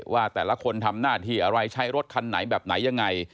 ว่าแต่ละคนทำหน้าที่อะไรใช้รถคันไหนแบบไหนยังไง